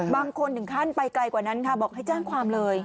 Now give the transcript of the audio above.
บางคนถึงขั้นไปไกลกว่านั้นค่ะบอกให้แจ้งความเลย